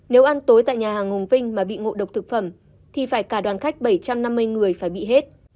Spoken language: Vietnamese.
nếu ăn tối tại nhà hàng hùng vinh mà bị ngộ độc thực phẩm thì phải cả đoàn khách bảy trăm năm mươi người phải bị hết